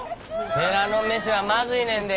寺の飯はまずいねんで。